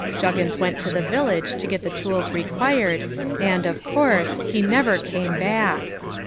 Juggins went to the village to get the tools required, and, of course, he never came back.